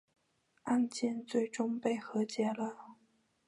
案件最终被和解了。